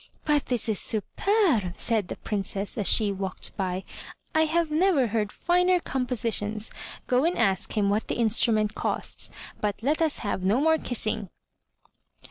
"But this is superber said the Princess, as she walked by. "I have never heard finer compositions. Go and ask him what the instrument costs, but let us have no more kissing."